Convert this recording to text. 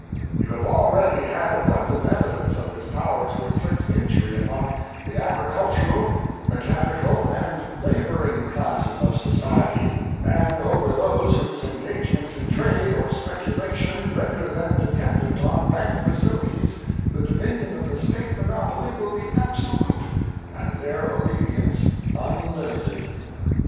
You have already had abundant evidence of its power to inflict injury upon the agricultural, mechanical, and laboring classes of society, and over those whose engagements in trade or speculation render them dependent on bank facilities the dominion of the State monopoly will be absolute and their obedience unlimited.